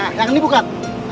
nah yang ini bukan